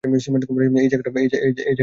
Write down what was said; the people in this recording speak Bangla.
এই জায়গাটা চেনো?